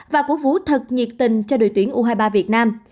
và cổ vũ thật nhiệt tình cho đội tuyển u hai mươi ba việt nam